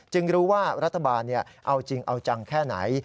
รู้ว่ารัฐบาลเอาจริงเอาจังแค่ไหน